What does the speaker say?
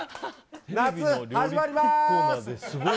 夏、始まります！